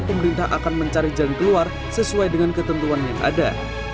pemerintah akan mencari jalan keluar sesuai dengan ketentuan yang ada